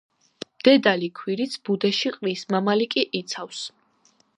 დედალი ქვირითს ბუდეში ყრის, მამალი კი იცავს.